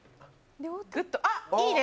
あっいいね！